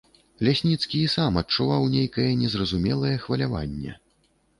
Лясніцкі і сам адчуваў нейкае незразумелае хваляванне.